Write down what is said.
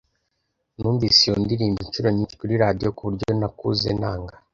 Numvise iyo ndirimbo inshuro nyinshi kuri radio kuburyo nakuze nanga.